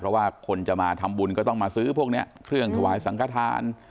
เพราะว่าคนจะมาทำบุญก็ต้องมาซื้อพวกนี้เครื่องถวายสังขทาน